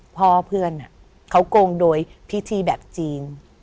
พ่อเพื่อนเขาโกงโดยพิธีแบบจีน